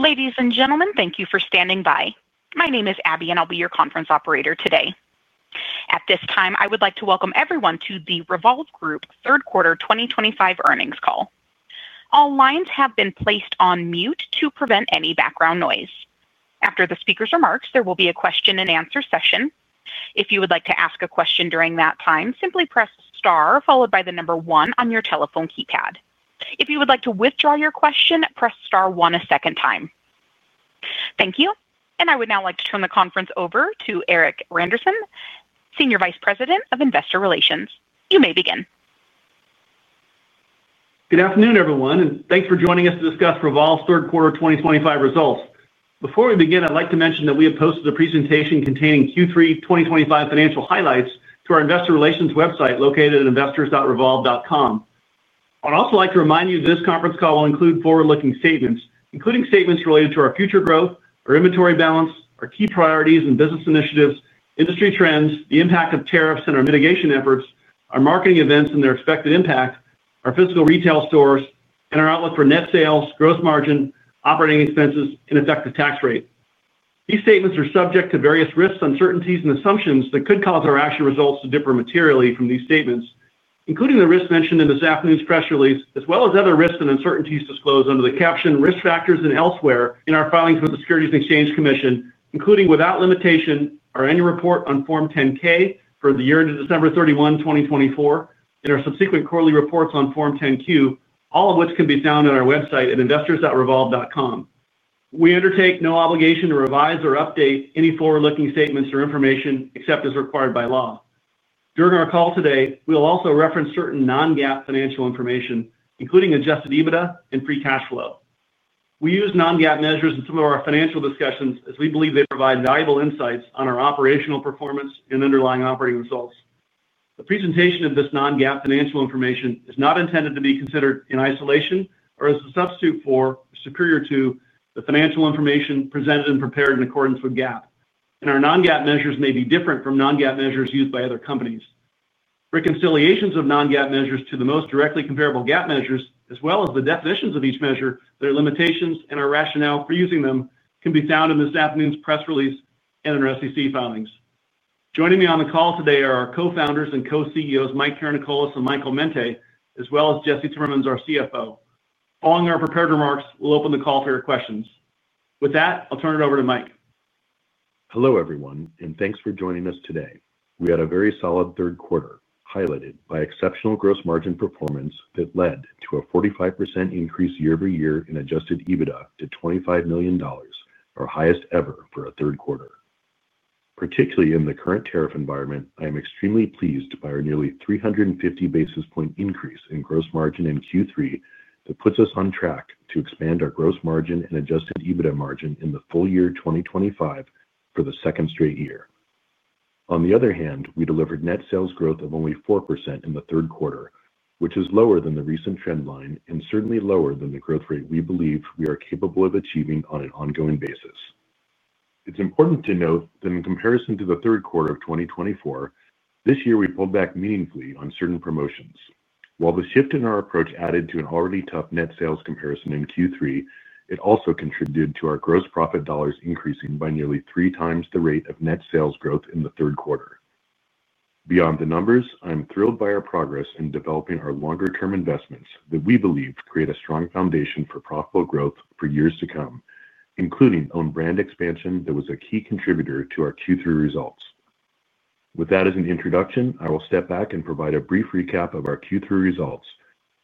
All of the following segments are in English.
Ladies and gentlemen, thank you for standing by. My name is Abby, and I'll be your conference operator today. At this time, I would like to welcome everyone to the Revolve Group Third Quarter 2025 Earnings Call. All lines have been placed on mute to prevent any background noise. After the speaker's remarks, there will be a question-and-answer session. If you would like to ask a question during that time, simply press star followed by the number one on your telephone keypad. If you would like to withdraw your question, press star one a second time. Thank you, and I would now like to turn the conference over to Erik Randerson, Senior Vice President of Investor Relations. You may begin. Good afternoon, everyone, and thanks for joining us to discuss Revolve's Third Quarter 2025 results. Before we begin, I'd like to mention that we have posted a presentation containing Q3 2025 financial highlights to our Investor Relations website located at investors.revolve.com. I'd also like to remind you that this conference call will include forward-looking statements, including statements related to our future growth, our inventory balance, our key priorities and business initiatives, industry trends, the impact of tariffs and our mitigation efforts, our marketing events and their expected impact, our physical retail stores, and our outlook for net sales, gross margin, operating expenses, and effective tax rate. These statements are subject to various risks, uncertainties, and assumptions that could cause our actual results to differ materially from these statements, including the risks mentioned in this afternoon's press release, as well as other risks and uncertainties disclosed under the caption "Risk Factors" and "Elsewhere" in our filings from the Securities and Exchange Commission, including without limitation our annual report on Form 10-K for the year ended December 31, 2024, and our subsequent quarterly reports on Form 10-Q, all of which can be found on our website at investors.revolve.com. We undertake no obligation to revise or update any forward-looking statements or information except as required by law. During our call today, we will also reference certain non-GAAP financial information, including adjusted EBITDA and free cash flow. We use non-GAAP measures in some of our financial discussions as we believe they provide valuable insights on our operational performance and underlying operating results. The presentation of this non-GAAP financial information is not intended to be considered in isolation or as a substitute for or superior to the financial information presented and prepared in accordance with GAAP, and our non-GAAP measures may be different from non-GAAP measures used by other companies. Reconciliations of non-GAAP measures to the most directly comparable GAAP measures, as well as the definitions of each measure, their limitations, and our rationale for using them, can be found in this afternoon's press release and in our SEC filings. Joining me on the call today are our co-founders and co-CEOs, Mike Karanikolas and Michael Mente, as well as Jesse Timmermans, our CFO. Following our prepared remarks, we'll open the call for your questions. With that, I'll turn it over to Mike. Hello, everyone, and thanks for joining us today. We had a very solid third quarter highlighted by exceptional gross margin performance that led to a 45% increase year-over-year in Adjusted EBITDA to $25 million, our highest ever for a third quarter. Particularly in the current tariff environment, I am extremely pleased by our nearly 350 basis points increase in gross margin in Q3 that puts us on track to expand our gross margin and Adjusted EBITDA margin in the full year 2025 for the second straight year. On the other hand, we delivered net sales growth of only 4% in the third quarter, which is lower than the recent trendline and certainly lower than the growth rate we believe we are capable of achieving on an ongoing basis. It's important to note that in comparison to the third quarter of 2024, this year we pulled back meaningfully on certain promotions. While the shift in our approach added to an already tough net sales comparison in Q3, it also contributed to our gross profit dollars increasing by nearly three times the rate of net sales growth in the third quarter. Beyond the numbers, I'm thrilled by our progress in developing our longer-term investments that we believe create a strong foundation for profitable growth for years to come, including own brand expansion that was a key contributor to our Q3 results. With that as an introduction, I will step back and provide a brief recap of our Q3 results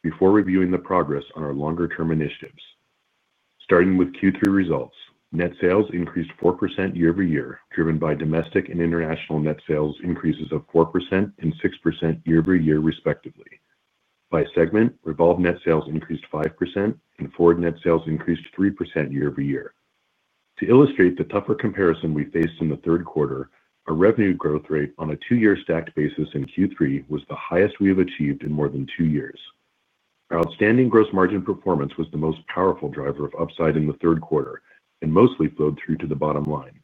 before reviewing the progress on our longer-term initiatives. Starting with Q3 results, net sales increased 4% year-over-year, driven by domestic and international net sales increases of 4% and 6% year-over-year, respectively. By segment, Revolve net sales increased 5% and forward net sales increased 3% year-over-year. To illustrate the tougher comparison we faced in the third quarter, our revenue growth rate on a two-year stacked basis in Q3 was the highest we have achieved in more than two years. Our outstanding gross margin performance was the most powerful driver of upside in the third quarter and mostly flowed through to the bottom line.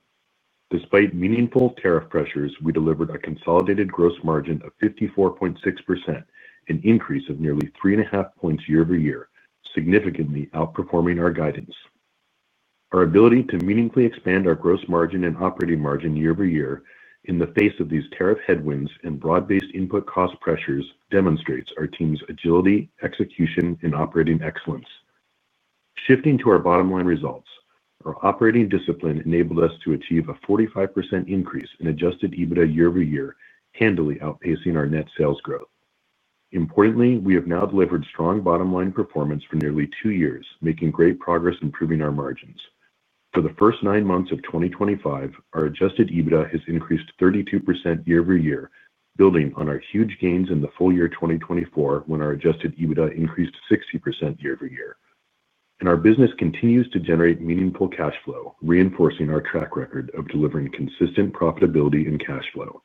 Despite meaningful tariff pressures, we delivered a consolidated gross margin of 54.6%, an increase of nearly three and a half points year-over-year, significantly outperforming our guidance. Our ability to meaningfully expand our gross margin and operating margin year-over-year in the face of these tariff headwinds and broad-based input cost pressures demonstrates our team's agility, execution, and operating excellence. Shifting to our bottom line results, our operating discipline enabled us to achieve a 45% increase in Adjusted EBITDA year-over-year, handily outpacing our net sales growth. Importantly, we have now delivered strong bottom line performance for nearly two years, making great progress in improving our margins. For the first nine months of 2025, our Adjusted EBITDA has increased 32% year-over-year, building on our huge gains in the full year 2024 when our Adjusted EBITDA increased 60% year-over-year. Our business continues to generate meaningful cash flow, reinforcing our track record of delivering consistent profitability and cash flow.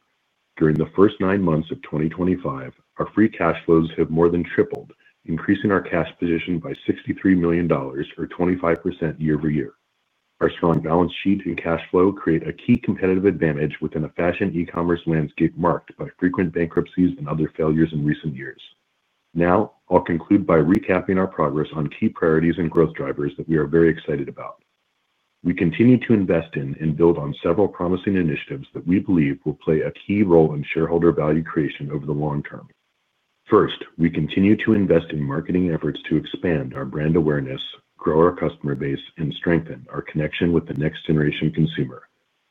During the first nine months of 2025, our free cash flows have more than tripled, increasing our cash position by $63 million, or 25% year-over-year. Our strong balance sheet and cash flow create a key competitive advantage within a fashion e-commerce landscape marked by frequent bankruptcies and other failures in recent years. Now, I'll conclude by recapping our progress on key priorities and growth drivers that we are very excited about. We continue to invest in and build on several promising initiatives that we believe will play a key role in shareholder value creation over the long term. First, we continue to invest in marketing efforts to expand our brand awareness, grow our customer base, and strengthen our connection with the next-generation consumer.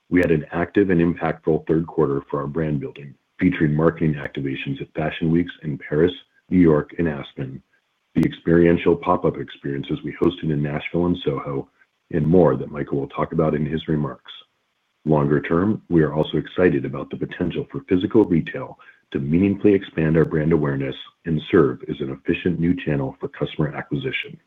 We had an active and impactful third quarter for our brand building, featuring marketing activations at Fashion Weeks in Paris, New York, and Aspen, the experiential pop-up experiences we hosted in Nashville and Soho, and more that Michael will talk about in his remarks. Longer term, we are also excited about the potential for physical retail to meaningfully expand our brand awareness and serve as an efficient new channel for customer acquisition.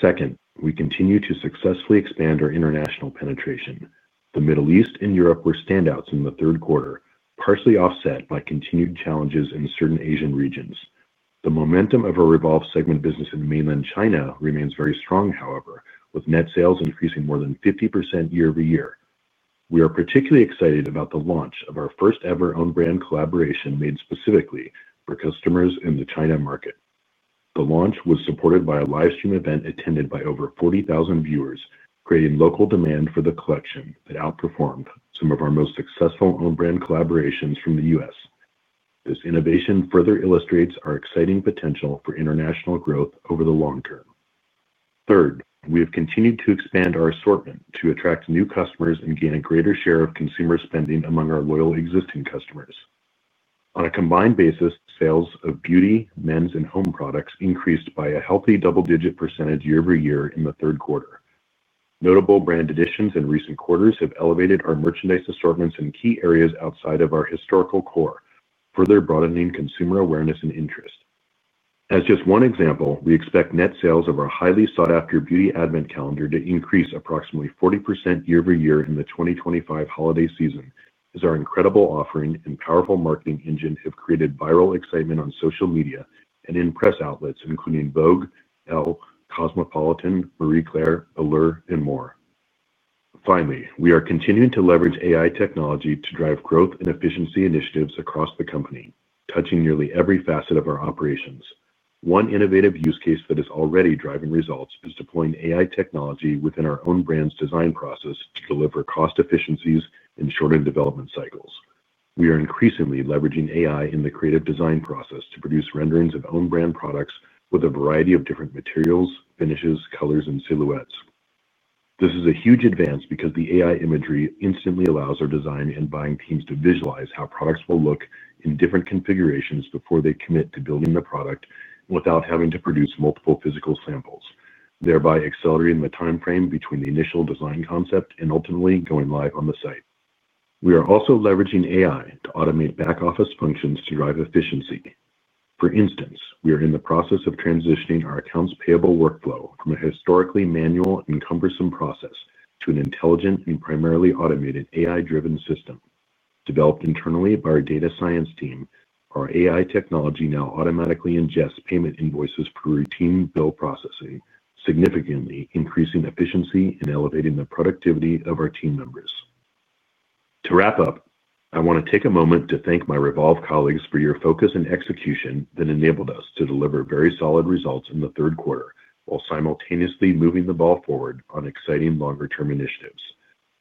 Second, we continue to successfully expand our international penetration. The Middle East and Europe were standouts in the third quarter, partially offset by continued challenges in certain Asian regions. The momentum of our Revolve segment business in Mainland China remains very strong, however, with net sales increasing more than 50% year-over-year. We are particularly excited about the launch of our first-ever own brand collaboration made specifically for customers in the China market. The launch was supported by a livestream event attended by over 40,000 viewers, creating local demand for the collection that outperformed some of our most successful own brand collaborations from the U.S. This innovation further illustrates our exciting potential for international growth over the long term. Third, we have continued to expand our assortment to attract new customers and gain a greater share of consumer spending among our loyal existing customers. On a combined basis, sales of beauty, men's, and home products increased by a healthy double-digit percentage year-over-year in the third quarter. Notable brand additions in recent quarters have elevated our merchandise assortments in key areas outside of our historical core, further broadening consumer awareness and interest. As just one example, we expect net sales of our highly sought-after Beauty Advent Calendar to increase approximately 40% year-over-year in the 2025 holiday season as our incredible offering and powerful marketing engine have created viral excitement on social media and in press outlets including Vogue, Elle, Cosmopolitan, Marie Claire, Allure, and more. Finally, we are continuing to leverage AI technology to drive growth and efficiency initiatives across the company, touching nearly every facet of our operations. One innovative use case that is already driving results is deploying AI technology within our own brand's design process to deliver cost efficiencies and shorten development cycles. We are increasingly leveraging AI in the creative design process to produce renderings of own brand products with a variety of different materials, finishes, colors, and silhouettes. This is a huge advance because the AI imagery instantly allows our design and buying teams to visualize how products will look in different configurations before they commit to building the product without having to produce multiple physical samples, thereby accelerating the timeframe between the initial design concept and ultimately going live on the site. We are also leveraging AI to automate back-office functions to drive efficiency. For instance, we are in the process of transitioning our accounts payable workflow from a historically manual and cumbersome process to an intelligent and primarily automated AI-driven system. Developed internally by our data science team, our AI technology now automatically ingests payment invoices for routine bill processing, significantly increasing efficiency and elevating the productivity of our team members. To wrap up, I want to take a moment to thank my Revolve colleagues for your focus and execution that enabled us to deliver very solid results in the third quarter while simultaneously moving the ball forward on exciting longer-term initiatives.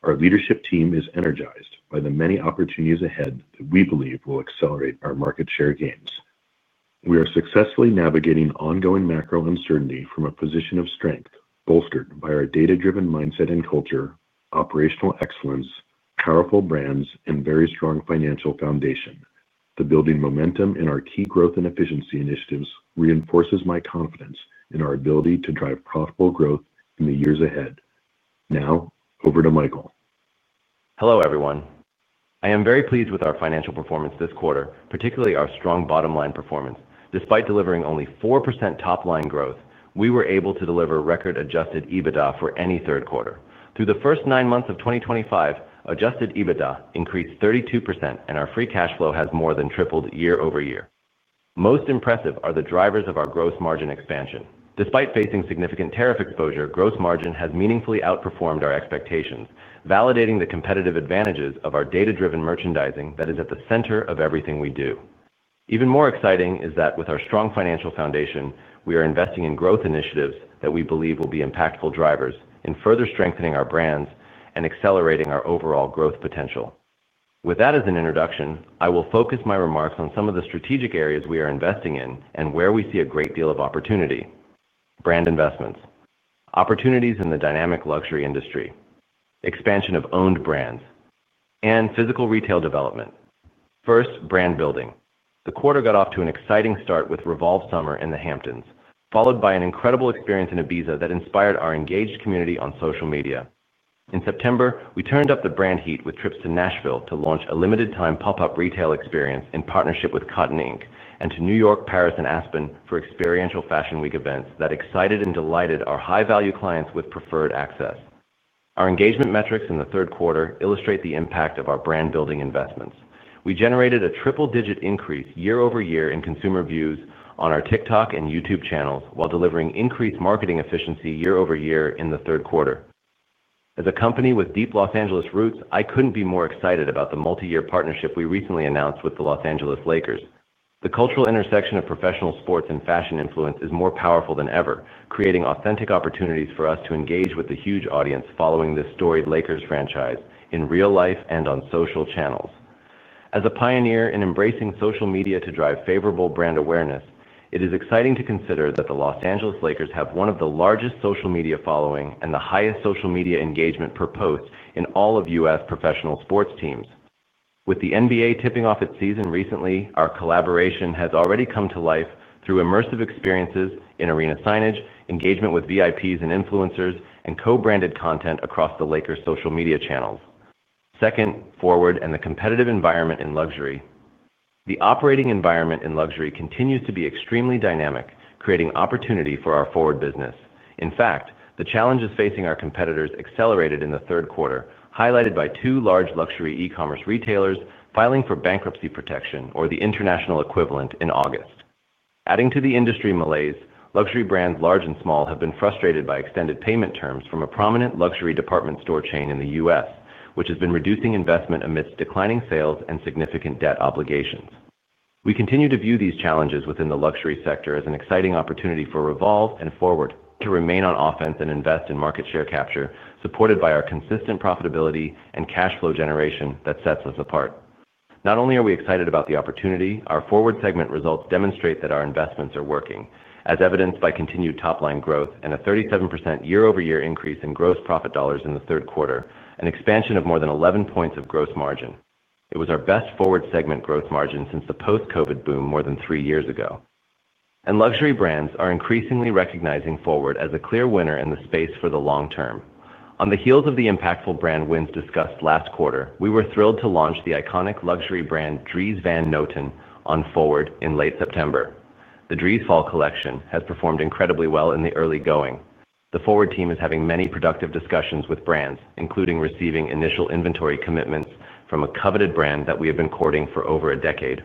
Our leadership team is energized by the many opportunities ahead that we believe will accelerate our market share gains. We are successfully navigating ongoing macro uncertainty from a position of strength bolstered by our data-driven mindset and culture, operational excellence, powerful brands, and very strong financial foundation. The building momentum in our key growth and efficiency initiatives reinforces my confidence in our ability to drive profitable growth in the years ahead. Now, over to Michael. Hello, everyone. I am very pleased with our financial performance this quarter, particularly our strong bottom line performance. Despite delivering only 4% top-line growth, we were able to deliver record Adjusted EBITDA for any third quarter. Through the first nine months of 2025, Adjusted EBITDA increased 32%, and our Free cash flow has more than tripled year-over-year. Most impressive are the drivers of our gross margin expansion. Despite facing significant tariff exposure, gross margin has meaningfully outperformed our expectations, validating the competitive advantages of our data-driven merchandising that is at the center of everything we do. Even more exciting is that with our strong financial foundation, we are investing in growth initiatives that we believe will be impactful drivers in further strengthening our brands and accelerating our overall growth potential. With that as an introduction, I will focus my remarks on some of the strategic areas we are investing in and where we see a great deal of opportunity: brand investments, opportunities in the dynamic luxury industry, expansion of owned brands, and physical retail development. First, brand building. The quarter got off to an exciting start with Revolve Summer in the Hamptons, followed by an incredible experience in Ibiza that inspired our engaged community on social media. In September, we turned up the brand heat with trips to Nashville to launch a limited-time pop-up retail experience in partnership with Cotton Inc., and to New York, Paris, and Aspen for experiential Fashion Week events that excited and delighted our high-value clients with preferred access. Our engagement metrics in the third quarter illustrate the impact of our brand building investments. We generated a triple-digit increase year-over-year in consumer views on our TikTok and YouTube channels while delivering increased marketing efficiency year-over-year in the third quarter. As a company with deep Los Angeles roots, I couldn't be more excited about the multi-year partnership we recently announced with the Los Angeles Lakers. The cultural intersection of professional sports and fashion influence is more powerful than ever, creating authentic opportunities for us to engage with the huge audience following this storied Lakers franchise in real life and on social channels. As a pioneer in embracing social media to drive favorable brand awareness, it is exciting to consider that the Los Angeles Lakers have one of the largest social media following and the highest social media engagement per post in all of U.S. professional sports teams. With the NBA tipping off its season recently, our collaboration has already come to life through immersive experiences in arena signage, engagement with VIPs and influencers, and co-branded content across the Lakers' social media channels. Second, Forward and the competitive environment in luxury. The operating environment in luxury continues to be extremely dynamic, creating opportunity for our Forward business. In fact, the challenges facing our competitors accelerated in the third quarter, highlighted by two large luxury e-commerce retailers filing for bankruptcy protection, or the international equivalent, in August. Adding to the industry malaise, luxury brands large and small have been frustrated by extended payment terms from a prominent luxury department store chain in the U.S., which has been reducing investment amidst declining sales and significant debt obligations. We continue to view these challenges within the luxury sector as an exciting opportunity for Revolve and Forward to remain on offense and invest in market share capture, supported by our consistent profitability and cash flow generation that sets us apart. Not only are we excited about the opportunity, our Forward segment results demonstrate that our investments are working, as evidenced by continued top-line growth and a 37% year-over-year increase in gross profit dollars in the third quarter, an expansion of more than 11 points of gross margin. It was our best Forward segment growth margin since the post-COVID boom more than three years ago. And luxury brands are increasingly recognizing Forward as a clear winner in the space for the long term. On the heels of the impactful brand wins discussed last quarter, we were thrilled to launch the iconic luxury brand Dries Van Noten on Forward in late September. The Dries Fall collection has performed incredibly well in the early going. The Forward team is having many productive discussions with brands, including receiving initial inventory commitments from a coveted brand that we have been courting for over a decade.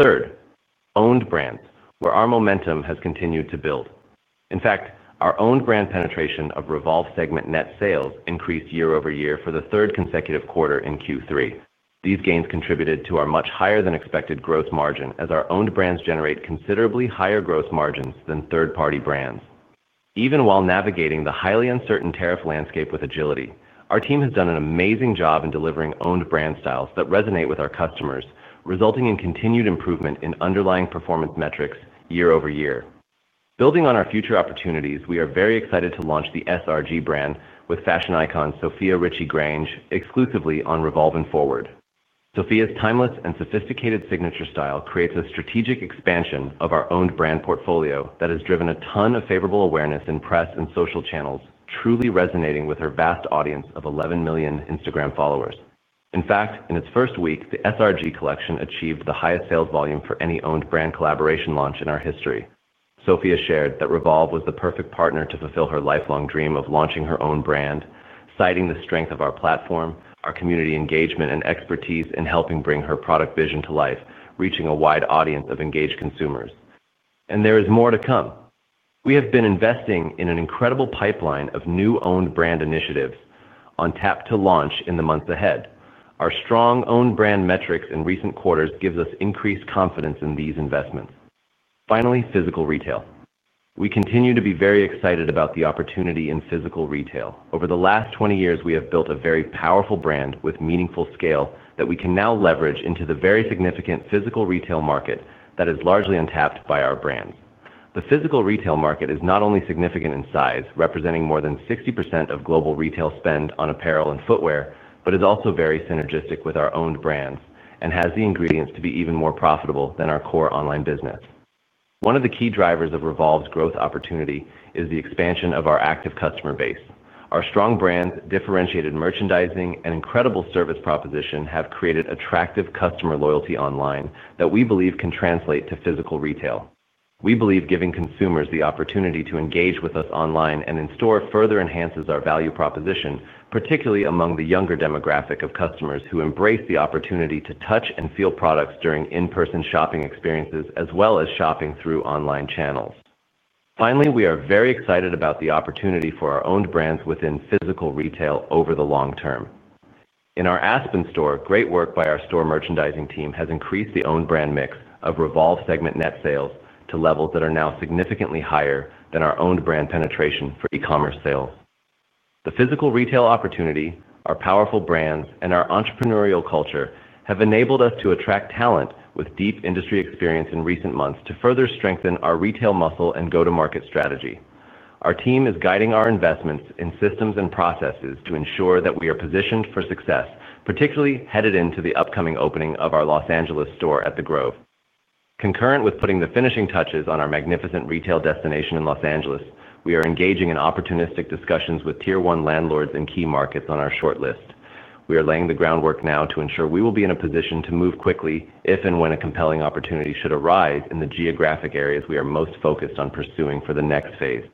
Third, owned brands, where our momentum has continued to build. In fact, our owned brand penetration of Revolve segment net sales increased year-over-year for the third consecutive quarter in Q3. These gains contributed to our much higher-than-expected gross margin as our owned brands generate considerably higher gross margins than third-party brands. Even while navigating the highly uncertain tariff landscape with agility, our team has done an amazing job in delivering owned brand styles that resonate with our customers, resulting in continued improvement in underlying performance metrics year-over-year. Building on our future opportunities, we are very excited to launch the SRG brand with fashion icon Sofia Richie Grainge exclusively on Revolve and Forward. Sofia's timeless and sophisticated signature style creates a strategic expansion of our owned brand portfolio that has driven a ton of favorable awareness in press and social channels, truly resonating with her vast audience of 11 million Instagram followers. In fact, in its first week, the SRG collection achieved the highest sales volume for any owned brand collaboration launch in our history. Sofia shared that Revolve was the perfect partner to fulfill her lifelong dream of launching her own brand, citing the strength of our platform, our community engagement, and expertise in helping bring her product vision to life, reaching a wide audience of engaged consumers. And there is more to come. We have been investing in an incredible pipeline of new owned brand initiatives on tap to launch in the months ahead. Our strong owned brand metrics in recent quarters give us increased confidence in these investments. Finally, physical retail. We continue to be very excited about the opportunity in physical retail. Over the last 20 years, we have built a very powerful brand with meaningful scale that we can now leverage into the very significant physical retail market that is largely untapped by our brands. The physical retail market is not only significant in size, representing more than 60% of global retail spend on apparel and footwear, but is also very synergistic with our owned brands and has the ingredients to be even more profitable than our core online business. One of the key drivers of Revolve's growth opportunity is the expansion of our active customer base. Our strong brands, differentiated merchandising, and incredible service proposition have created attractive customer loyalty online that we believe can translate to physical retail. We believe giving consumers the opportunity to engage with us online and in store further enhances our value proposition, particularly among the younger demographic of customers who embrace the opportunity to touch and feel products during in-person shopping experiences as well as shopping through online channels. Finally, we are very excited about the opportunity for our owned brands within physical retail over the long term. In our Aspen store, great work by our store merchandising team has increased the owned brand mix of Revolve segment net sales to levels that are now significantly higher than our owned brand penetration for e-commerce sales. The physical retail opportunity, our powerful brands, and our entrepreneurial culture have enabled us to attract talent with deep industry experience in recent months to further strengthen our retail muscle and go-to-market strategy. Our team is guiding our investments in systems and processes to ensure that we are positioned for success, particularly headed into the upcoming opening of our Los Angeles store at The Grove. Concurrent with putting the finishing touches on our magnificent retail destination in Los Angeles, we are engaging in opportunistic discussions with tier-one landlords in key markets on our short list. We are laying the groundwork now to ensure we will be in a position to move quickly if and when a compelling opportunity should arise in the geographic areas we are most focused on pursuing for the next phase.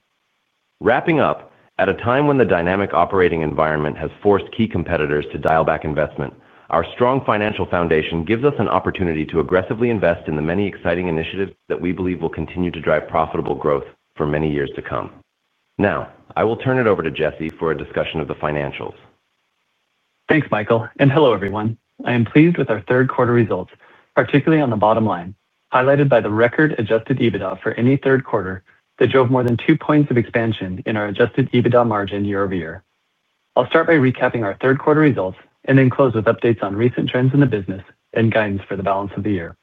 Wrapping up, at a time when the dynamic operating environment has forced key competitors to dial back investment, our strong financial foundation gives us an opportunity to aggressively invest in the many exciting initiatives that we believe will continue to drive profitable growth for many years to come. Now, I will turn it over to Jesse for a discussion of the financials. Thanks, Michael, and hello, everyone. I am pleased with our third-quarter results, particularly on the bottom line, highlighted by the record adjusted EBITDA for any third quarter that drove more than two points of expansion in our adjusted EBITDA margin year-over-year. I'll start by recapping our third-quarter results and then close with updates on recent trends in the business and guidance for the balance of the year.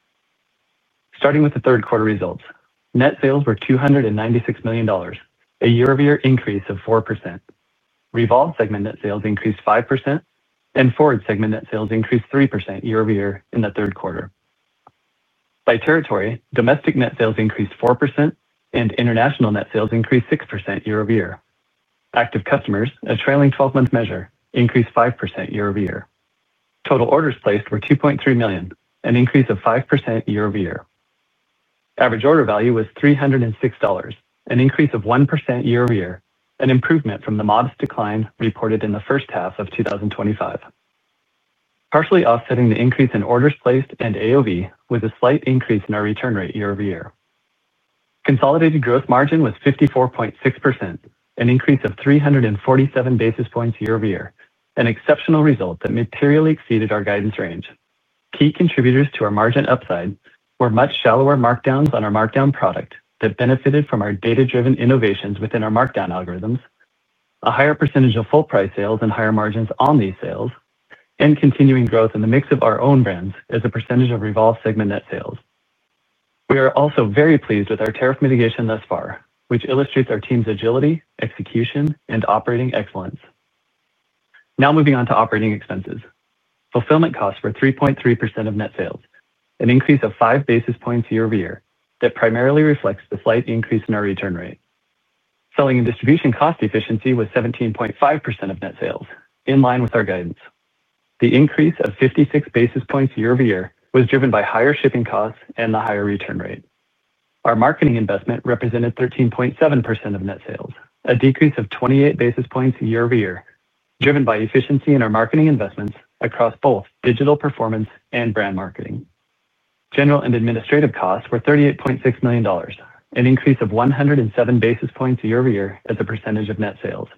Starting with the third-quarter results, net sales were $296 million, a year-over-year increase of 4%. Revolve segment net sales increased 5%, and Forward segment net sales increased 3% year-over-year in the third quarter. By territory, domestic net sales increased 4%, and international net sales increased 6% year-over-year. Active customers, a trailing 12-month measure, increased 5% year-over-year. Total orders placed were 2.3 million, an increase of 5% year-over-year. Average order value was $306, an increase of 1% year-over-year, an improvement from the modest decline reported in the first half of 2025. Partially offsetting the increase in orders placed and AOV was a slight increase in our return rate year-over-year. Consolidated gross margin was 54.6%, an increase of 347 basis points year-over-year, an exceptional result that materially exceeded our guidance range. Key contributors to our margin upside were much shallower markdowns on our markdown product that benefited from our data-driven innovations within our markdown algorithms, a higher percentage of full-price sales and higher margins on these sales, and continuing growth in the mix of our own brands as a percentage of Revolve segment net sales. We are also very pleased with our tariff mitigation thus far, which illustrates our team's agility, execution, and operating excellence. Now moving on to operating expenses. Fulfillment costs were 3.3% of net sales, an increase of 5 basis points year-over-year that primarily reflects the slight increase in our return rate. Selling and distribution cost efficiency was 17.5% of net sales, in line with our guidance. The increase of 56 basis points year-over-year was driven by higher shipping costs and the higher return rate. Our marketing investment represented 13.7% of net sales, a decrease of 28 basis points year-over-year, driven by efficiency in our marketing investments across both digital performance and brand marketing. General and administrative costs were $38.6 million, an increase of 107 basis points year-over-year as a percentage of net sales.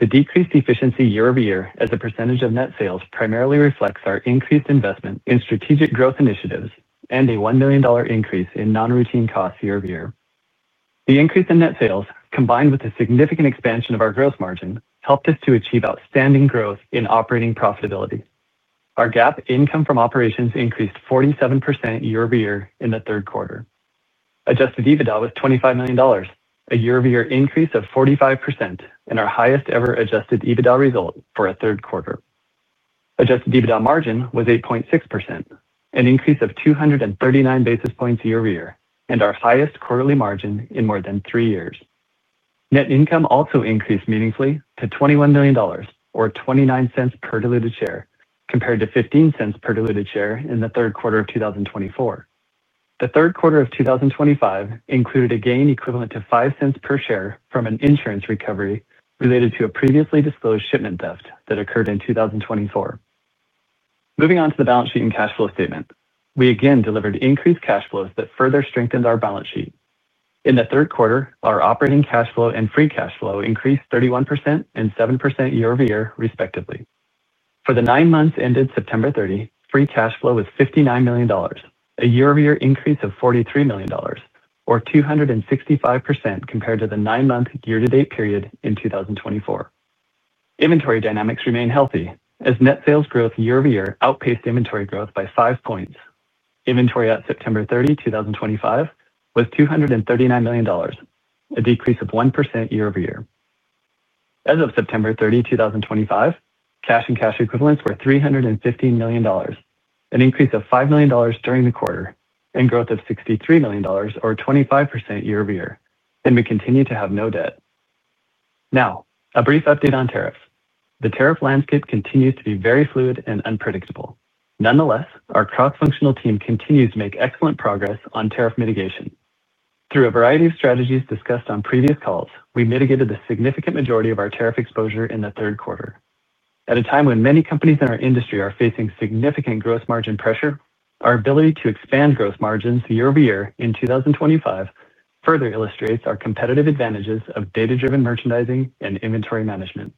The decreased efficiency year-over-year as a percentage of net sales primarily reflects our increased investment in strategic growth initiatives and a $1 million increase in non-routine costs year-over-year. The increase in net sales, combined with a significant expansion of our gross margin, helped us to achieve outstanding growth in operating profitability. Our GAAP income from operations increased 47% year-over-year in the third quarter. Adjusted EBITDA was $25 million, a year-over-year increase of 45% in our highest-ever adjusted EBITDA result for a third quarter. Adjusted EBITDA margin was 8.6%, an increase of 239 basis points year-over-year, and our highest quarterly margin in more than three years. Net income also increased meaningfully to $21 million, or $0.29 per diluted share, compared to $0.15 per diluted share in the third quarter of 2024. The third quarter of 2025 included a gain equivalent to $0.05 per share from an insurance recovery related to a previously disclosed shipment theft that occurred in 2024. Moving on to the balance sheet and cash flow statement, we again delivered increased cash flows that further strengthened our balance sheet. In the third quarter, our operating cash flow and free cash flow increased 31% and 7% year-over-year, respectively. For the nine months ended September 30, free cash flow was $59 million, a year-over-year increase of $43 million, or 265% compared to the nine-month year-to-date period in 2024. Inventory dynamics remain healthy, as net sales growth year-over-year outpaced inventory growth by five points. Inventory at September 30, 2025, was $239 million, a decrease of 1% year-over-year. As of September 30, 2025, cash and cash equivalents were $315 million, an increase of $5 million during the quarter, and growth of $63 million, or 25% year-over-year, and we continue to have no debt. Now, a brief update on tariffs. The tariff landscape continues to be very fluid and unpredictable. Nonetheless, our cross-functional team continues to make excellent progress on tariff mitigation. Through a variety of strategies discussed on previous calls, we mitigated the significant majority of our tariff exposure in the third quarter. At a time when many companies in our industry are facing significant gross margin pressure, our ability to expand gross margins year-over-year in 2025 further illustrates our competitive advantages of data-driven merchandising and inventory management.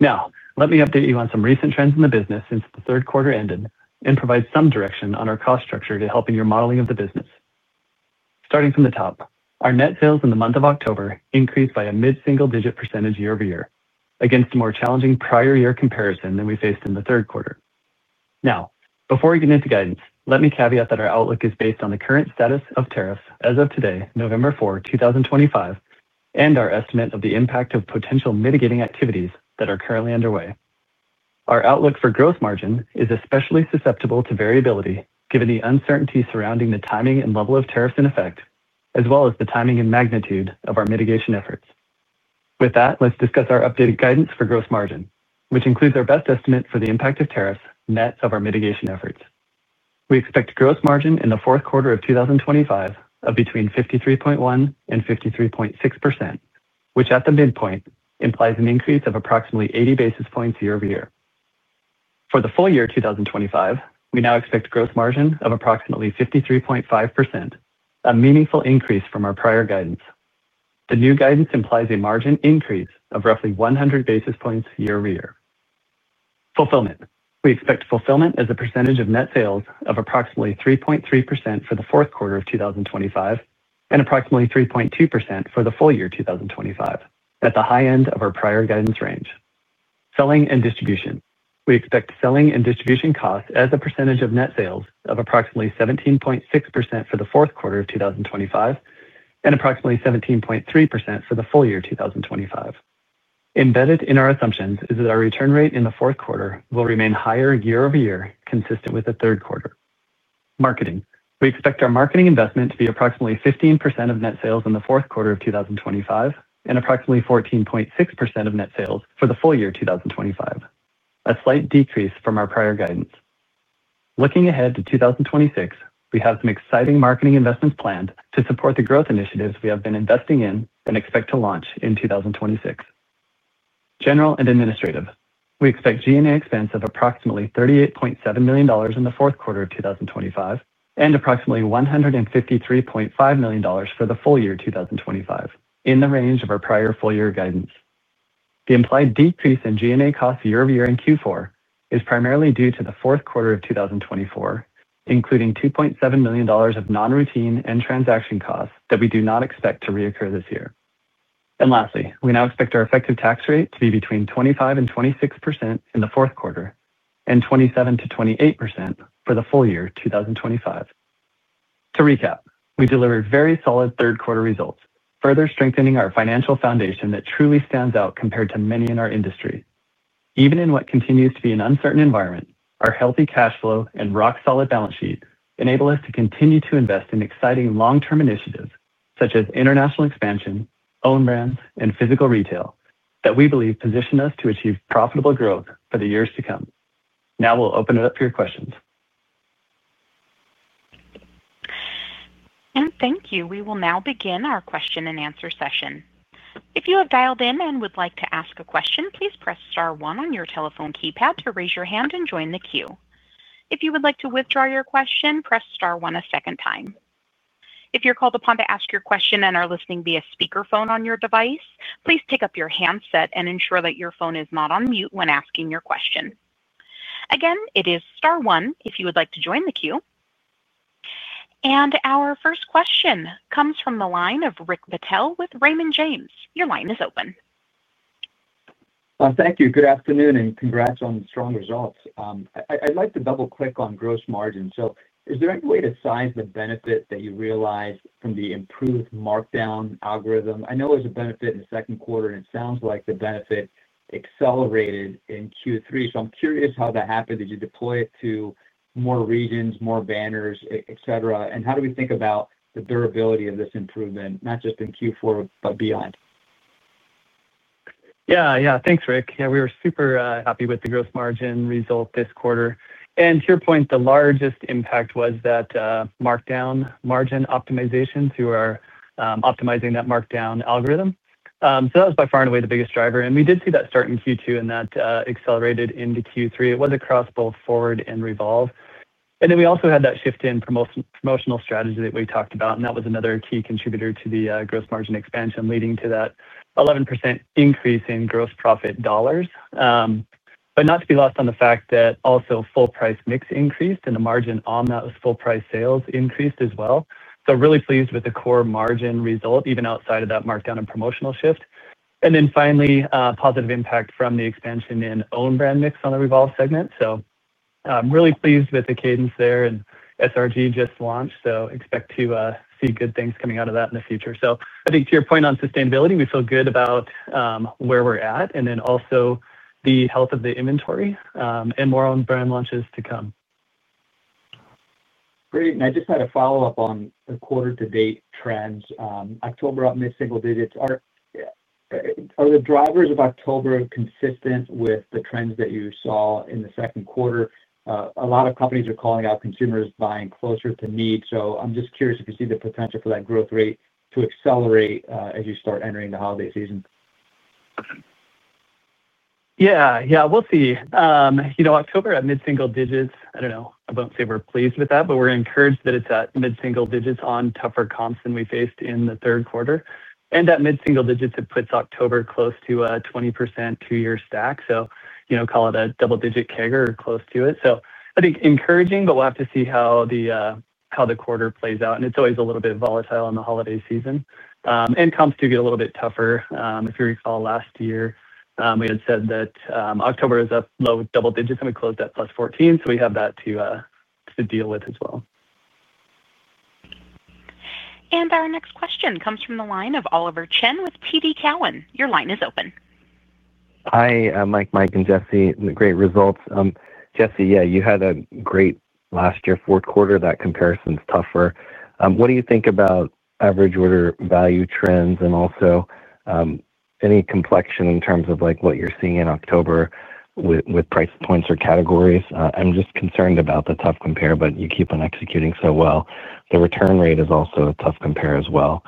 Now, let me update you on some recent trends in the business since the third quarter ended and provide some direction on our cost structure to help in your modeling of the business. Starting from the top, our net sales in the month of October increased by a mid-single-digit % year-over-year, against a more challenging prior-year comparison than we faced in the third quarter. Now, before we get into guidance, let me caveat that our outlook is based on the current status of tariffs as of today, November 4, 2025, and our estimate of the impact of potential mitigating activities that are currently underway. Our outlook for gross margin is especially susceptible to variability given the uncertainty surrounding the timing and level of tariffs in effect, as well as the timing and magnitude of our mitigation efforts. With that, let's discuss our updated guidance for gross margin, which includes our best estimate for the impact of tariffs net of our mitigation efforts. We expect gross margin in the fourth quarter of 2025 of between 53.1% and 53.6%, which at the midpoint implies an increase of approximately 80 basis points year-over-year. For the full year 2025, we now expect gross margin of approximately 53.5%, a meaningful increase from our prior guidance. The new guidance implies a margin increase of roughly 100 basis points year-over-year. Fulfillment. We expect fulfillment as a percentage of net sales of approximately 3.3% for the fourth quarter of 2025 and approximately 3.2% for the full year 2025, at the high end of our prior guidance range. Selling and distribution. We expect selling and distribution costs as a percentage of net sales of approximately 17.6% for the fourth quarter of 2025 and approximately 17.3% for the full year 2025. Embedded in our assumptions is that our return rate in the fourth quarter will remain higher year-over-year, consistent with the third quarter. Marketing. We expect our marketing investment to be approximately 15% of net sales in the fourth quarter of 2025 and approximately 14.6% of net sales for the full year 2025, a slight decrease from our prior guidance. Looking ahead to 2026, we have some exciting marketing investments planned to support the growth initiatives we have been investing in and expect to launch in 2026. General and administrative. We expect G&A expense of approximately $38.7 million in the fourth quarter of 2025 and approximately $153.5 million for the full year 2025, in the range of our prior full-year guidance. The implied decrease in G&A costs year-over-year in Q4 is primarily due to the fourth quarter of 2024, including $2.7 million of non-routine and transaction costs that we do not expect to reoccur this year. And lastly, we now expect our effective tax rate to be between 25% and 26% in the fourth quarter and 27% to 28% for the full year 2025. To recap, we delivered very solid third-quarter results, further strengthening our financial foundation that truly stands out compared to many in our industry. Even in what continues to be an uncertain environment, our healthy cash flow and rock-solid balance sheet enable us to continue to invest in exciting long-term initiatives such as international expansion, own brands, and physical retail that we believe position us to achieve profitable growth for the years to come. Now we'll open it up for your questions. And thank you. We will now begin our question-and-answer session. If you have dialed in and would like to ask a question, please press star one on your telephone keypad to raise your hand and join the queue. If you would like to withdraw your question, press star one a second time. If you're called upon to ask your question and are listening via speakerphone on your device, please take up your handset and ensure that your phone is not on mute when asking your question. Again, it is star one if you would like to join the queue. And our first question comes from the line of Rick Patel with Raymond James. Your line is open. Thank you. Good afternoon and congrats on the strong results. I'd like to double-click on gross margin. So is there any way to size the benefit that you realized from the improved markdown algorithm? I know there's a benefit in the second quarter, and it sounds like the benefit accelerated in Q3. So I'm curious how that happened. Did you deploy it to more regions, more banners, et cetera? And how do we think about the durability of this improvement, not just in Q4, but beyond? Yeah, yeah. Thanks, Rick. Yeah, we were super happy with the gross margin result this quarter, and to your point, the largest impact was that markdown margin optimization through our optimizing that markdown algorithm. So that was by far and away the biggest driver, and we did see that start in Q2, and that accelerated into Q3. It was across both Forward and Revolve, and then we also had that shift in promotional strategy that we talked about, and that was another key contributor to the gross margin expansion, leading to that 11% increase in gross profit dollars, but not to be lost on the fact that also full-price mix increased, and the margin on that was full-price sales increased as well. So really pleased with the core margin result, even outside of that markdown and promotional shift, and then finally, positive impact from the expansion in own brand mix on the Revolve segment. So I'm really pleased with the cadence there, and SRG just launched, so expect to see good things coming out of that in the future. So I think to your point on sustainability, we feel good about where we're at, and then also the health of the inventory and more own brand launches to come. Great. And I just had a follow-up on the quarter-to-date trends. October up mid-single digits. Are the drivers of October consistent with the trends that you saw in the second quarter? A lot of companies are calling out consumers buying closer to need. So I'm just curious if you see the potential for that growth rate to accelerate as you start entering the holiday season. Yeah, yeah. We'll see. You know, October at mid-single digits, I don't know, I won't say we're pleased with that, but we're encouraged that it's at mid-single digits on tougher comps than we faced in the third quarter. And at mid-single digits, it puts October close to a 20% two-year stack, so you know, call it a double-digit CAGR or close to it. So I think encouraging, but we'll have to see how the quarter plays out. And it's always a little bit volatile in the holiday season. And comps do get a little bit tougher. If you recall last year, we had said that October is a low double digits, and we closed at plus 14, so we have that to deal with as well. Our next question comes from the line of Oliver Chen with TD Cowen. Your line is open. Hi, Mike, Mike and Jesse, great results. Jesse, yeah, you had a great last year fourth quarter. That comparison's tougher. What do you think about average order value trends and also any complexion in terms of what you're seeing in October with price points or categories? I'm just concerned about the tough compare, but you keep on executing so well. The return rate is also a tough compare as well.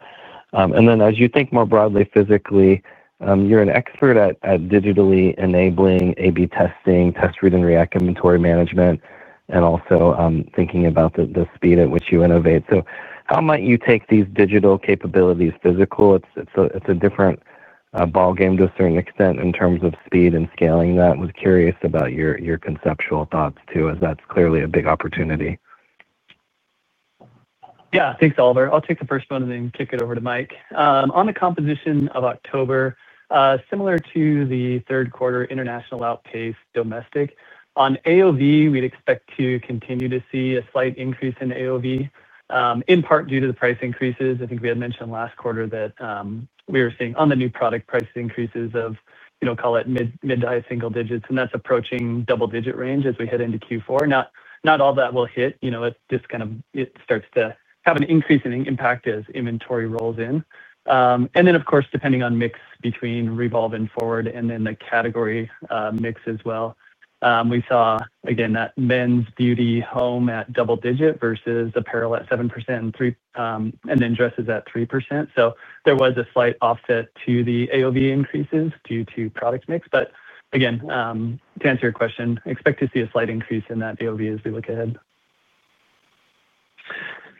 And then as you think more broadly, physically, you're an expert at digitally enabling A/B testing, test read and react inventory management, and also thinking about the speed at which you innovate. So how might you take these digital capabilities physical? It's a different ball game to a certain extent in terms of speed and scaling. I was curious about your conceptual thoughts too, as that's clearly a big opportunity. Yeah, thanks, Oliver. I'll take the first one and then kick it over to Mike. On the composition of October, similar to the third quarter international outpace domestic, on AOV, we'd expect to continue to see a slight increase in AOV, in part due to the price increases. I think we had mentioned last quarter that we were seeing on the new product price increases of, you know, call it mid to high single digits, and that's approaching double-digit range as we head into Q4. Not all that will hit. You know, it just kind of starts to have an increase in impact as inventory rolls in. And then, of course, depending on mix between Revolve and Forward and then the category mix as well, we saw, again, that men's beauty home at double digit versus apparel at 7% and then dresses at 3%. So there was a slight offset to the AOV increases due to product mix. But again, to answer your question, expect to see a slight increase in that AOV as we look ahead.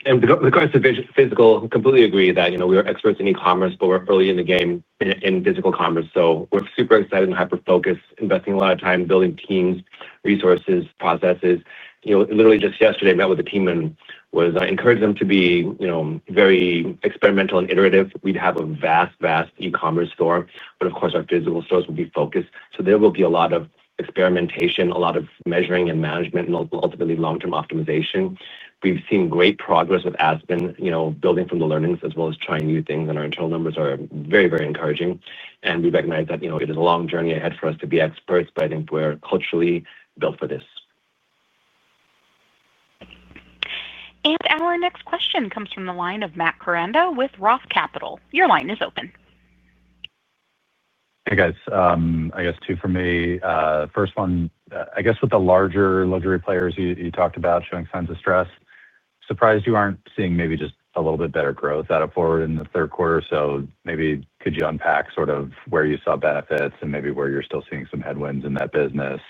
Regarding physical, completely agree that, you know, we are experts in e-commerce, but we're early in the game in physical commerce. So we're super excited and hyper-focused, investing a lot of time building teams, resources, processes. You know, literally just yesterday, I met with a team and encouraged them to be, you know, very experimental and iterative. We'd have a vast, vast e-commerce store, but of course, our physical stores would be focused. So there will be a lot of experimentation, a lot of measuring and management, and ultimately long-term optimization. We've seen great progress with Aspen, you know, building from the learnings as well as trying new things, and our internal numbers are very, very encouraging. We recognize that, you know, it is a long journey ahead for us to be experts, but I think we're culturally built for this. And our next question comes from the line of Matt Koranda with Roth Capital. Your line is open. Hey, guys. I guess two for me. First one, I guess with the larger luxury players you talked about showing signs of stress. Surprised you aren't seeing maybe just a little bit better growth out of Forward in the third quarter. So maybe could you unpack sort of where you saw benefits and maybe where you're still seeing some headwinds in that business?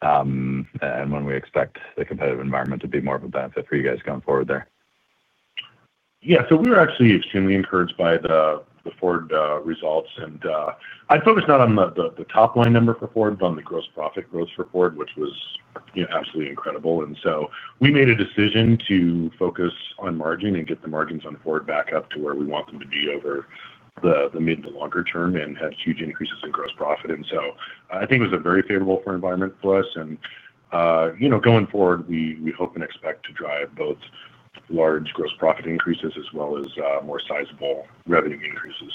And when we expect the competitive environment to be more of a benefit for you guys going forward there? Yeah, so we were actually extremely encouraged by the Forward results. And I focused not on the top line number for Forward, but on the gross profit growth for Forward, which was absolutely incredible. And so we made a decision to focus on margin and get the margins on Forward back up to where we want them to be over the mid to longer term and had huge increases in gross profit. And so I think it was a very favorable environment for us. And, you know, going forward, we hope and expect to drive both large gross profit increases as well as more sizable revenue increases.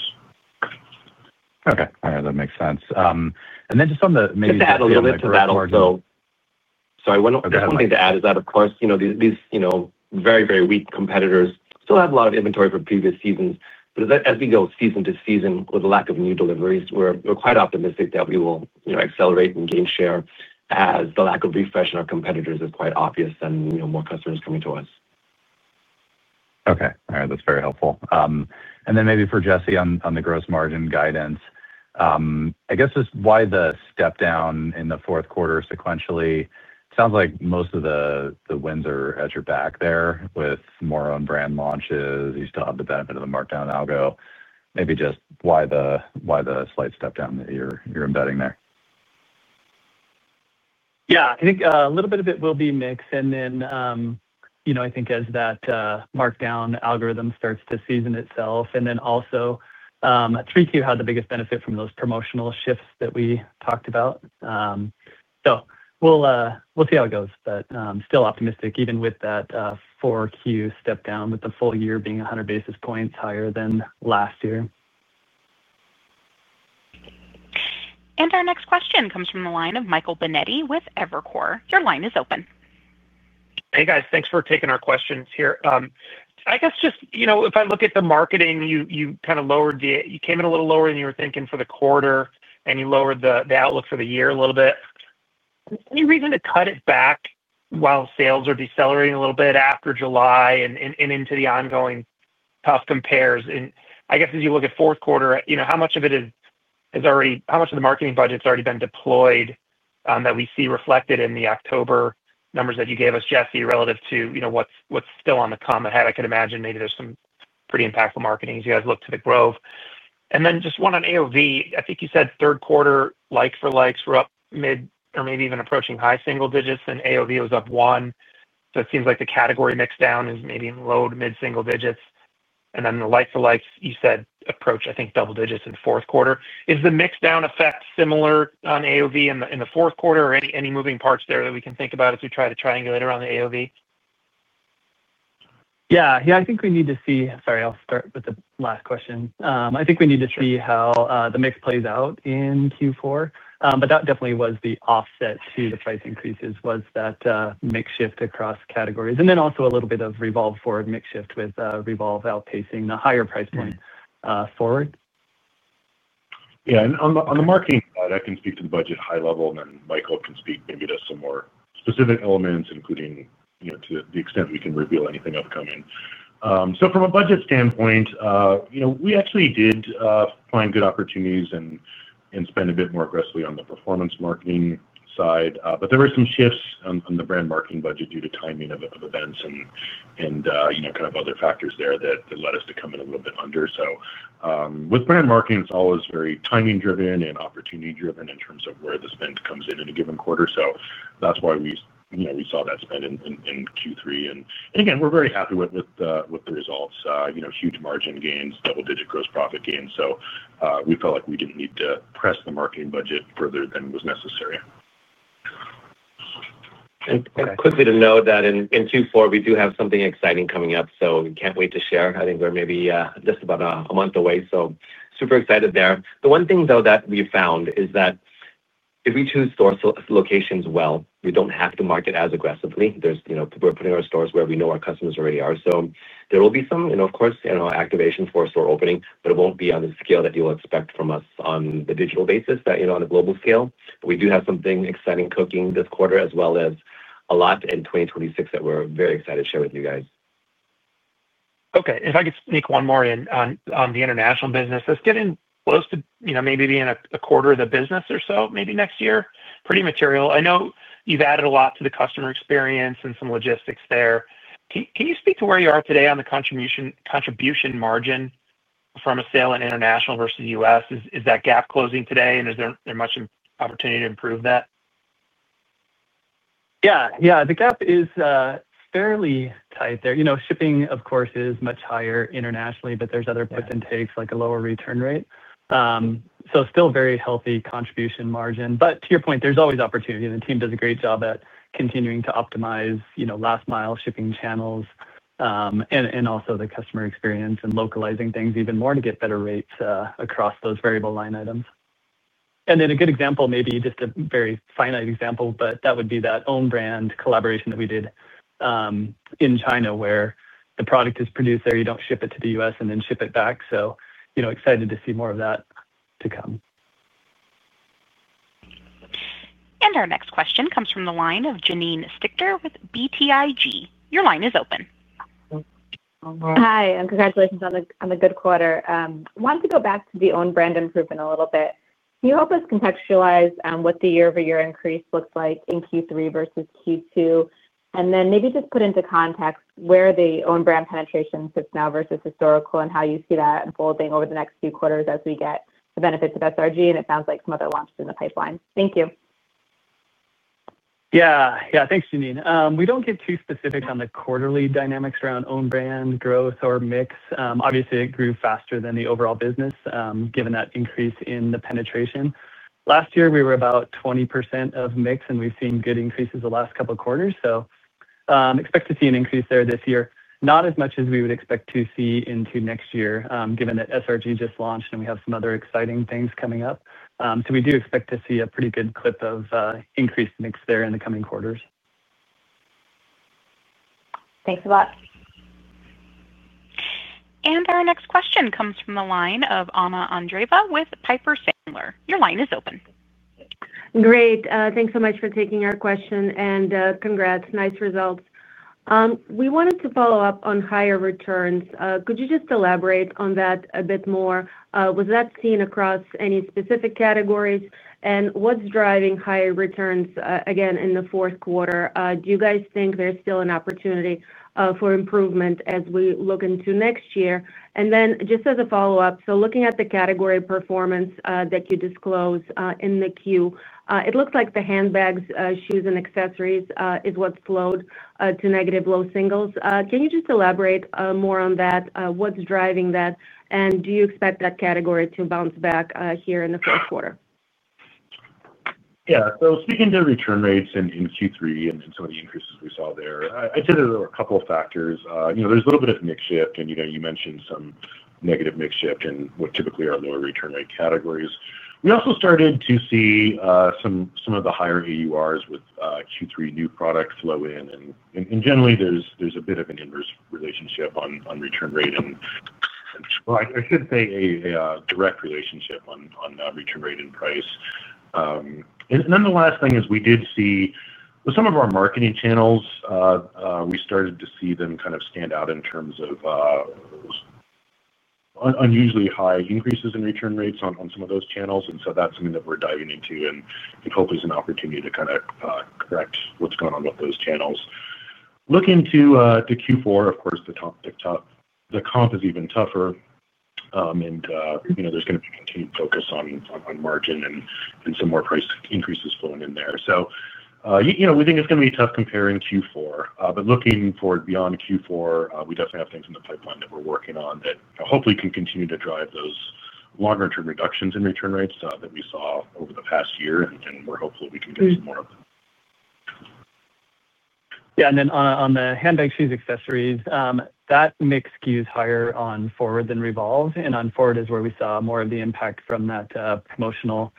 Okay. All right. That makes sense. And then just on the maybe a little bit to that margin. Sorry, one thing to add is that, of course, you know, these, you know, very, very weak competitors still have a lot of inventory from previous seasons. But as we go season to season with a lack of new deliveries, we're quite optimistic that we will accelerate and gain share as the lack of refresh in our competitors is quite obvious and more customers coming to us. Okay. All right. That's very helpful. And then maybe for Jesse on the gross margin guidance. I guess just why the step down in the fourth quarter sequentially, it sounds like most of the wins are at your back there with more own brand launches. You still have the benefit of the markdown algo. Maybe just why the slight step down that you're embedding there. Yeah, I think a little bit of it will be mixed. And then, you know, I think as that markdown algorithm starts to season itself, and then also Q3 had the biggest benefit from those promotional shifts that we talked about. So we'll see how it goes, but still optimistic, even with that Q4 step down, with the full year being 100 basis points higher than last year. Our next question comes from the line of Michael Benetti with Evercore. Your line is open. Hey, guys. Thanks for taking our questions here. I guess just, you know, if I look at the marketing, you kind of lowered the, you came in a little lower than you were thinking for the quarter, and you lowered the outlook for the year a little bit. Any reason to cut it back while sales are decelerating a little bit after July and into the ongoing tough compares? And I guess as you look at fourth quarter, you know, how much of it is already, how much of the marketing budget's already been deployed that we see reflected in the October numbers that you gave us, Jesse, relative to, you know, what's still to come ahead? I could imagine maybe there's some pretty impactful marketing as you guys look to The Grove. And then just one on AOV, I think you said third quarter like-for-likes were up mid or maybe even approaching high single digits, and AOV was up one. So it seems like the category mixdown is maybe in low to mid-single digits. And then the like-for-likes, you said approached, I think, double digits in fourth quarter. Is the mixdown effect similar on AOV in the fourth quarter? Or any moving parts there that we can think about as we try to triangulate around the AOV? Yeah, yeah, I think we need to see, sorry, I'll start with the last question. I think we need to see how the mix plays out in Q4, but that definitely was the offset to the price increases, was that mix shift across categories, and then also a little bit of Revolve Forward mix shift with Revolve outpacing the higher price point Forward. Yeah, and on the marketing side, I can speak to the budget high level, and then Michael can speak maybe to some more specific elements, including, you know, to the extent we can reveal anything upcoming. So from a budget standpoint, you know, we actually did find good opportunities and spend a bit more aggressively on the performance marketing side. But there were some shifts on the brand marketing budget due to timing of events and, you know, kind of other factors there that led us to come in a little bit under. So with brand marketing, it's always very timing-driven and opportunity-driven in terms of where the spend comes in in a given quarter. So that's why we, you know, we saw that spend in Q3. And again, we're very happy with the results. You know, huge margin gains, double-digit gross profit gains. So we felt like we didn't need to press the marketing budget further than was necessary. Quickly to note that in Q4, we do have something exciting coming up, so we can't wait to share. I think we're maybe just about a month away. So super excited there. The one thing, though, that we found is that if we choose store locations well, we don't have to market as aggressively. There's, you know, we're putting our stores where we know our customers already are. So there will be some, you know, of course, you know, activation for store opening, but it won't be on the scale that you'll expect from us on the digital basis, but, you know, on a global scale. But we do have something exciting cooking this quarter, as well as a lot in 2026 that we're very excited to share with you guys. Okay. If I could sneak one more in on the international business, that's getting close to, you know, maybe being a quarter of the business or so, maybe next year. Pretty material. I know you've added a lot to the customer experience and some logistics there. Can you speak to where you are today on the contribution margin from a sale in international versus U.S.? Is that gap closing today, and is there much opportunity to improve that? Yeah, yeah, the gap is fairly tight there. You know, shipping, of course, is much higher internationally, but there's other intakes like a lower return rate. So still very healthy contribution margin. But to your point, there's always opportunity, and the team does a great job at continuing to optimize, you know, last-mile shipping channels. And also the customer experience and localizing things even more to get better rates across those variable line items. And then a good example, maybe just a very finite example, but that would be that own brand collaboration that we did. In China, where the product is produced there, you don't ship it to the U.S. and then ship it back. So, you know, excited to see more of that to come. And our next question comes from the line of Janine Stichter with BTIG. Your line is open. Hi, and congratulations on the good quarter. I wanted to go back to the own brand improvement a little bit. Can you help us contextualize what the year-over-year increase looks like in Q3 versus Q2? And then maybe just put into context where the own brand penetration sits now versus historical and how you see that unfolding over the next few quarters as we get the benefits of SRG and it sounds like some other launches in the pipeline. Thank you. Yeah, yeah, thanks, Janine. We don't get too specific on the quarterly dynamics around own brand growth or mix. Obviously, it grew faster than the overall business, given that increase in the penetration. Last year, we were about 20% of mix, and we've seen good increases the last couple of quarters. So, expect to see an increase there this year. Not as much as we would expect to see into next year, given that SRG just launched and we have some other exciting things coming up. So we do expect to see a pretty good clip of increased mix there in the coming quarters. Thanks a lot. Our next question comes from the line of Anna Andreeva with Piper Sandler. Your line is open. Great. Thanks so much for taking our question and congrats. Nice results. We wanted to follow up on higher returns. Could you just elaborate on that a bit more? Was that seen across any specific categories? And what's driving higher returns again in the fourth quarter? Do you guys think there's still an opportunity for improvement as we look into next year? And then just as a follow-up, so looking at the category performance that you disclosed in the Q, it looks like the handbags, shoes, and accessories is what flowed to negative low singles. Can you just elaborate more on that? What's driving that? And do you expect that category to bounce back here in the fourth quarter? Yeah, so speaking to return rates in Q3 and some of the increases we saw there, I'd say that there were a couple of factors. You know, there's a little bit of mix shift, and you know, you mentioned some negative mix shift in what typically are lower return rate categories. We also started to see some of the higher AURs with Q3 new products flow in, and generally, there's a bit of an inverse relationship on return rate and, well, I should say a direct relationship on return rate and price, and then the last thing is we did see some of our marketing channels. We started to see them kind of stand out in terms of unusually high increases in return rates on some of those channels, and so that's something that we're diving into and hope is an opportunity to kind of correct what's going on with those channels. Looking to Q4, of course, the comp is even tougher, and, you know, there's going to be continued focus on margin and some more price increases flowing in there. So, you know, we think it's going to be tough comparing Q4, but looking forward beyond Q4, we definitely have things in the pipeline that we're working on that hopefully can continue to drive those longer-term reductions in return rates that we saw over the past year, and we're hopeful we can get some more of them. Yeah, and then on the handbag, shoes, accessories, that mix skews higher on Forward than Revolve. And on Forward is where we saw more of the impact from that promotional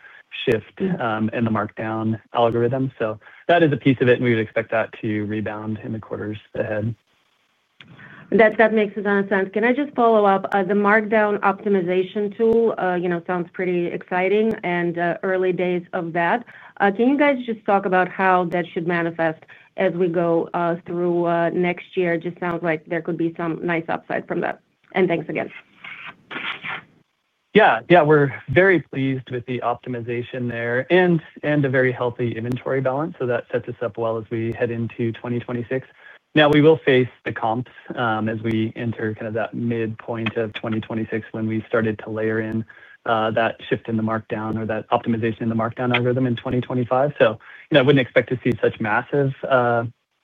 shift in the markdown algorithm. So that is a piece of it, and we would expect that to rebound in the quarters ahead. That makes a ton of sense. Can I just follow up? The markdown optimization tool, you know, sounds pretty exciting and early days of that. Can you guys just talk about how that should manifest as we go through next year? It just sounds like there could be some nice upside from that, and thanks again. Yeah, yeah, we're very pleased with the optimization there and a very healthy inventory balance. So that sets us up well as we head into 2026. Now, we will face the comps as we enter kind of that midpoint of 2026 when we started to layer in that shift in the markdown or that optimization in the markdown algorithm in 2025. So, you know, I wouldn't expect to see such massive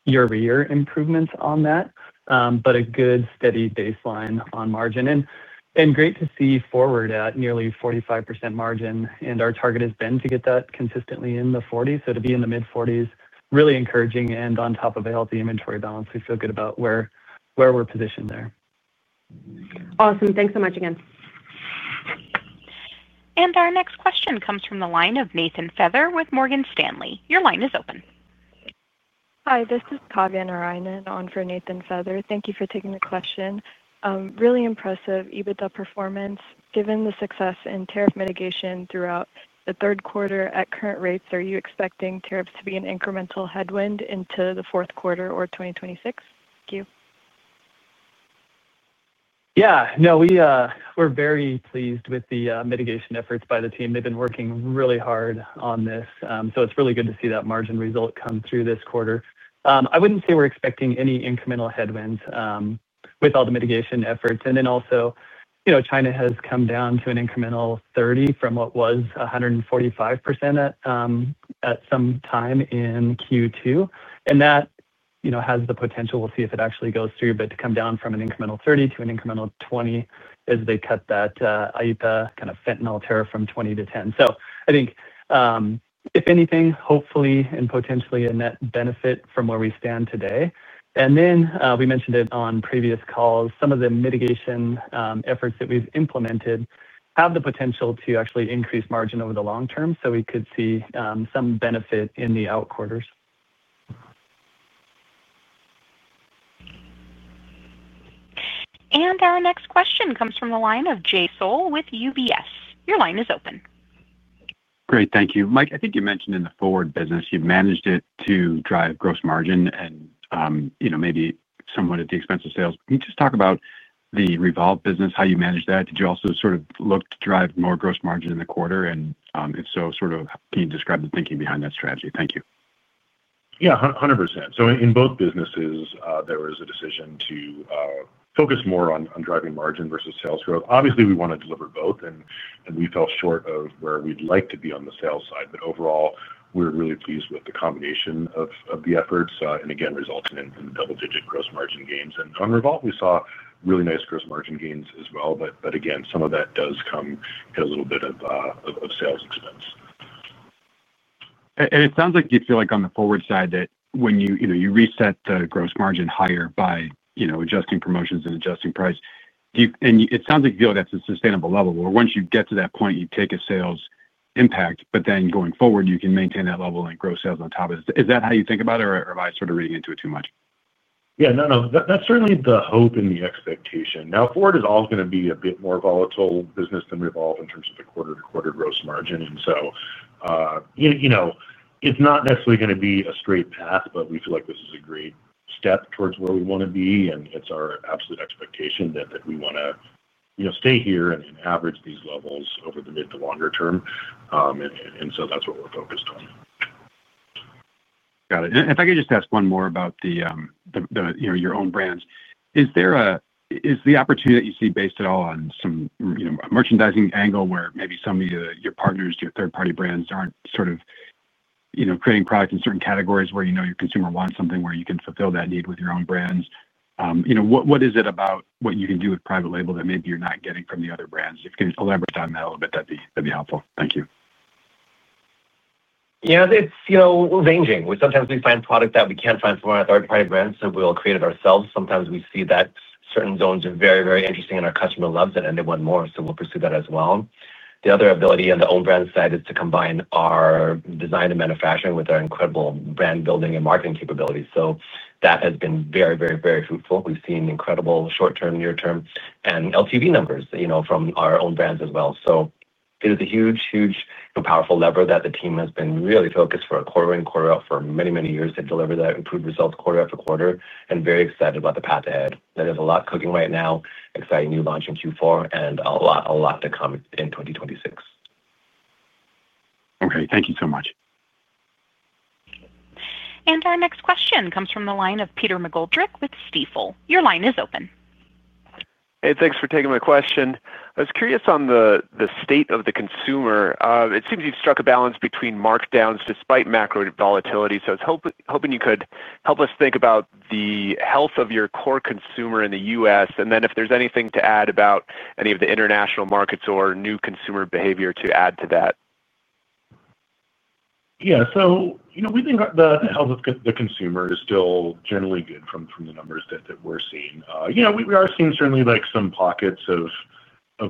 year-over-year improvements on that, but a good steady baseline on margin, and great to see Forward at nearly 45% margin, and our target has been to get that consistently in the 40s. So to be in the mid-40s, really encouraging, and on top of a healthy inventory balance, we feel good about where we're positioned there. Awesome. Thanks so much again. Our next question comes from the line of Nathan Feather with Morgan Stanley. Your line is open. Hi, this is Kavya Narayanan on for Nathan Feather. Thank you for taking the question. Really impressive EBITDA performance. Given the success in tariff mitigation throughout the third quarter, at current rates, are you expecting tariffs to be an incremental headwind into the fourth quarter or 2026? Thank you. Yeah, no, we're very pleased with the mitigation efforts by the team. They've been working really hard on this. So it's really good to see that margin result come through this quarter. I wouldn't say we're expecting any incremental headwinds with all the mitigation efforts. And then also, you know, China has come down to an incremental 30% from what was 145%. At some time in Q2. And that, you know, has the potential, we'll see if it actually goes through, but to come down from an incremental 30% to an incremental 20% as they cut that IEEPA kind of fentanyl tariff from 20% to 10%. So I think. If anything, hopefully and potentially a net benefit from where we stand today. And then we mentioned it on previous calls, some of the mitigation efforts that we've implemented have the potential to actually increase margin over the long term. So we could see some benefit in the out quarters. And our next question comes from the line of Jay Sole with UBS. Your line is open. Great, thank you. Mike, I think you mentioned in the Forward business, you've managed it to drive gross margin and, you know, maybe somewhat at the expense of sales. Can you just talk about the Revolve business, how you managed that? Did you also sort of look to drive more gross margin in the quarter? And if so, sort of can you describe the thinking behind that strategy? Thank you. Yeah, 100%. So in both businesses, there was a decision to focus more on driving margin versus sales growth. Obviously, we want to deliver both, and we fell short of where we'd like to be on the sales side. But overall, we're really pleased with the combination of the efforts and, again, resulting in double-digit gross margin gains. And on Revolve, we saw really nice gross margin gains as well. But again, some of that does come at a little bit of sales expense. It sounds like you feel like on the Forward side that when you reset the gross margin higher by, you know, adjusting promotions and adjusting price, and it sounds like you feel like that's a sustainable level, where once you get to that point, you take a sales impact, but then going forward, you can maintain that level and grow sales on top of it. Is that how you think about it, or am I sort of reading into it too much? Yeah, no, no. That's certainly the hope and the expectation. Now, Forward is all going to be a bit more volatile business than Revolve in terms of the quarter-to-quarter gross margin. And so, you know, it's not necessarily going to be a straight path, but we feel like this is a great step towards where we want to be. And it's our absolute expectation that we want to, you know, stay here and average these levels over the mid to longer term. And so that's what we're focused on. Got it. And if I could just ask one more about your own brands, is there a, is the opportunity that you see based at all on some, you know, merchandising angle where maybe some of your partners, your third-party brands aren't sort of, you know, creating products in certain categories where, you know, your consumer wants something where you can fulfill that need with your own brands? You know, what is it about what you can do with private label that maybe you're not getting from the other brands? If you can elaborate on that a little bit, that'd be helpful. Thank you. Yeah, it's, you know, ranging. Sometimes we find product that we can't find from our third-party brands, so we'll create it ourselves. Sometimes we see that certain zones are very, very interesting and our customer loves it and they want more, so we'll pursue that as well. The other ability on the own brand side is to combine our design and manufacturing with our incredible brand building and marketing capabilities. So that has been very, very, very fruitful. We've seen incredible short-term, near-term, and LTV numbers, you know, from our own brands as well. So it is a huge, huge, powerful lever that the team has been really focused for a quarter and quarter for many, many years to deliver that improved results quarter after quarter and very excited about the path ahead. There's a lot cooking right now, exciting new launch in Q4 and a lot to come in 2026. Okay, thank you so much. Our next question comes from the line of Peter McGoldrick with Stifel. Your line is open. Hey, thanks for taking my question. I was curious on the state of the consumer. It seems you've struck a balance between markdowns despite macro volatility. So I was hoping you could help us think about the health of your core consumer in the U.S., and then if there's anything to add about any of the international markets or new consumer behavior to add to that? Yeah, so, you know, we think the health of the consumer is still generally good from the numbers that we're seeing. You know, we are seeing certainly like some pockets of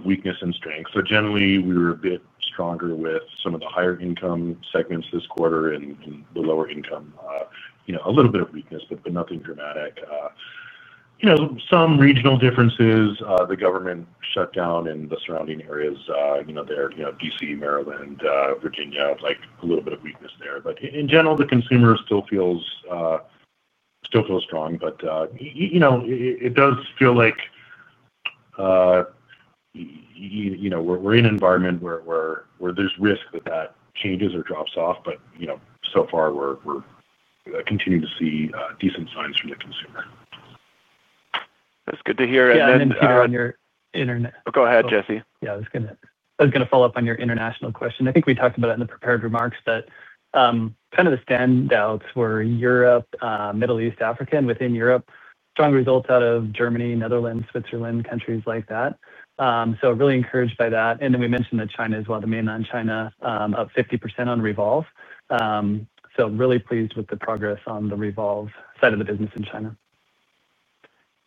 weakness and strength. So generally, we were a bit stronger with some of the higher-income segments this quarter and the lower-income, you know, a little bit of weakness, but nothing dramatic. You know, some regional differences, the government shutdown in the surrounding areas, you know, there, you know, DC, Maryland, Virginia, like a little bit of weakness there. But in general, the consumer still feels strong, but, you know, it does feel like you know, we're in an environment where there's risk that that changes or drops off. But, you know, so far, we're continuing to see decent signs from the consumer. That's good to hear. And then. Go ahead, Jesse. Yeah, I was going to follow up on your international question. I think we talked about it in the prepared remarks that. Kind of the standouts were Europe, Middle East, Africa, and within Europe, strong results out of Germany, Netherlands, Switzerland, countries like that. So really encouraged by that. And then we mentioned that China as well, the mainland China, up 50% on Revolve. So really pleased with the progress on the Revolve side of the business in China.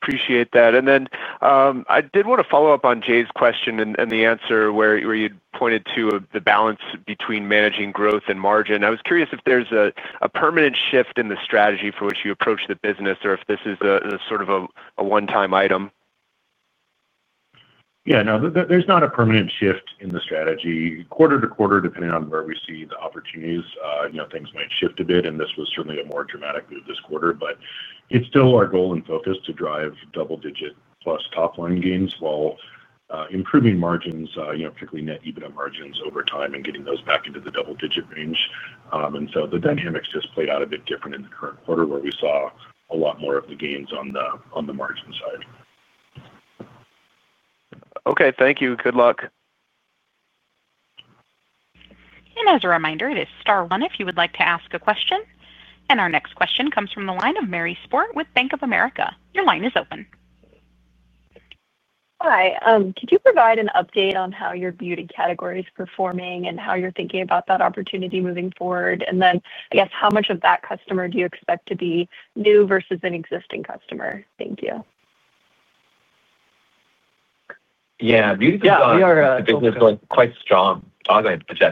Appreciate that. And then I did want to follow up on Jesse's question and the answer where you'd pointed to the balance between managing growth and margin. I was curious if there's a permanent shift in the strategy for which you approach the business or if this is sort of a one-time item? Yeah, no, there's not a permanent shift in the strategy. Quarter to quarter, depending on where we see the opportunities, you know, things might shift a bit. And this was certainly a more dramatic move this quarter. But it's still our goal and focus to drive double-digit plus top-line gains while improving margins, you know, particularly net EBITDA margins over time and getting those back into the double-digit range. And so the dynamics just played out a bit different in the current quarter where we saw a lot more of the gains on the margin side. Okay, thank you. Good luck. As a reminder, it is star one if you would like to ask a question. Our next question comes from the line of Mary Sport with Bank of America. Your line is open. Hi, could you provide an update on how your beauty category is performing and how you're thinking about that opportunity moving forward? And then, I guess, how much of that customer do you expect to be new versus an existing customer? Thank you. Yeah, beauty is quite strong.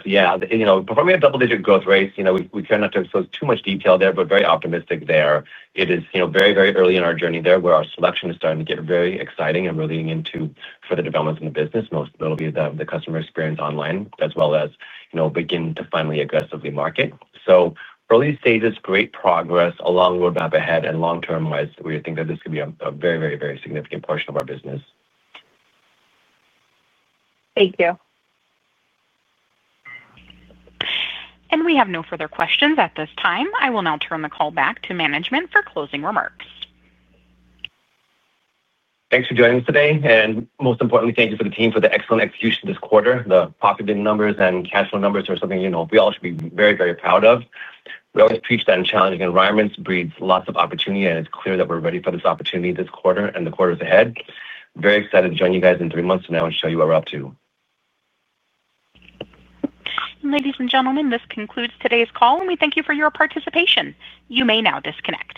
Yeah, you know, before we had double-digit growth rates, you know, we kind of took too much detail there, but very optimistic there. It is, you know, very, very early in our journey there where our selection is starting to get very exciting and we're leaning into further developments in the business, notably the customer experience online, as well as, you know, begin to finally aggressively market. So early stages, great progress, a long roadmap ahead, and long-term-wise, we think that this could be a very, very, very significant portion of our business. Thank you. We have no further questions at this time. I will now turn the call back to management for closing remarks. Thanks for joining us today. Most importantly, thank you to the team for the excellent execution this quarter. The profitability numbers and cash flow numbers are something, you know, we all should be very, very proud of. We always preach that in challenging environments breeds lots of opportunity, and it's clear that we're ready for this opportunity this quarter and the quarters ahead. Very excited to join you guys in three months from now and show you what we're up to. Ladies and gentlemen, this concludes today's call, and we thank you for your participation. You may now disconnect.